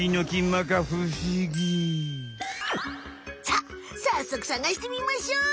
さあさっそくさがしてみましょう！